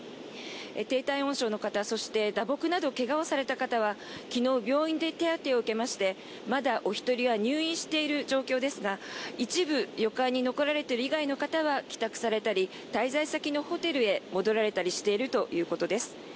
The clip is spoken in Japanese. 低体温症の方そして、打撲など怪我をされた方は昨日、病院で手当てを受けましてまだお一人は入院している状況ですが一部旅館に残られている以外の方は帰宅されたり滞在先のホテルへ戻られたりしているということです。